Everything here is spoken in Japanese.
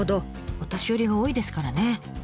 お年寄りが多いですからね。